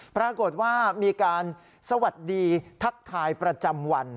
ปรากฏว่ามีการสวัสดีทักทายประจำวัน